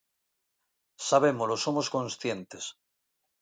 Sabémolo, somos conscientes.